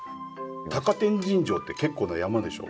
高天神城って結構な山でしょ？